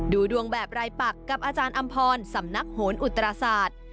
ดูดวงแบบรายปักกับอาจารย์อำพรสำนักโหนอุตราศาสตร์